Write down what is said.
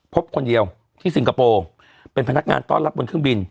พบคนเดียวที่สิงคโปร์เป็นพนักงานต้อนรับบนเครื่องบิน